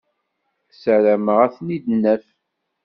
Ssarameɣ ad ten-id-naf.